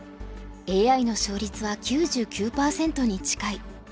ＡＩの勝率は９９％に近い。